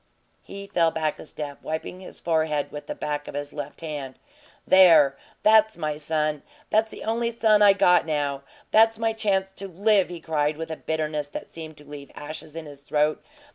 He fell back a step, wiping his forhead with the back of his left hand. "There! That's my son! That's the only son I got now! That's my chance to live," he cried, with a bitterness that seemed to leave ashes in his throat.